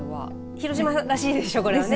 広島らしいでしょう、これはね。